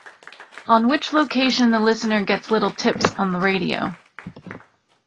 On which location the listener gets little tips on the radio.